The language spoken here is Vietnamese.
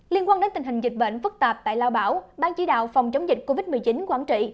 liên quan đến tình hình dịch bệnh phức tạp tại lao bảo ban chỉ đạo phòng chống dịch covid một mươi chín quảng trị